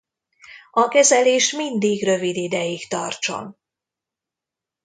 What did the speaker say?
A kezelés mindig rövid ideig tartson!